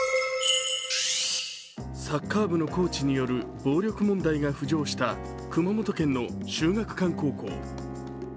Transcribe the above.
サッカー部のコーチによる暴力問題が浮上した熊本県の秀岳館高校。